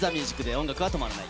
音楽は止まらない。